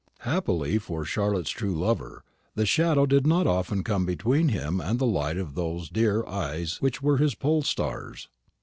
Happily for Charlotte's true lover, the shadow did not often come between him and the light of those dear eyes which were his pole stars.